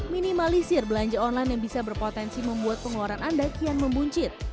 minimalisir belanja online yang bisa berpotensi membuat pengeluaran anda kian membuncit